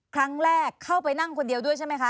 ครั้งแรกเข้าไปนั่งคนเดียวด้วยใช่ไหมคะ